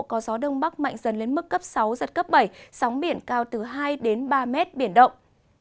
có gió đông bắc mạnh dần lên mức cấp sáu giật cấp bảy sóng biển cao từ hai ba mét biển động